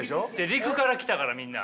陸から来たからみんな。